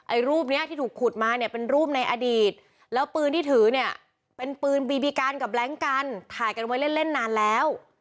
รูปเนี้ยที่ถูกขุดมาเนี่ยเป็นรูปในอดีตแล้วปืนที่ถือเนี่ยเป็นปืนบีบีกันกับแล็งกันถ่ายกันไว้เล่นเล่นนานแล้ว